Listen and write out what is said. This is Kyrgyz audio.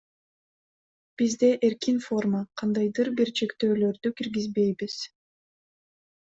Бизде эркин форма, кандайдыр бир чектөөлөрдү киргизбейбиз.